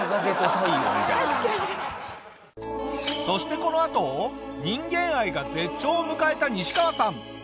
そしてこのあと人間愛が絶頂を迎えたニシカワさん。